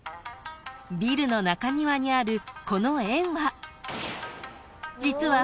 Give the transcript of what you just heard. ［ビルの中庭にあるこの円は実は］